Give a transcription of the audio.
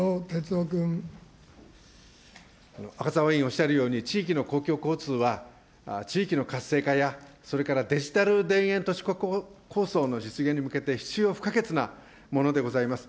赤澤委員、おっしゃるように、地域の公共交通は、地域の活性化やそれからデジタル田園都市構想の実現に向けて、必要不可欠なものでございます。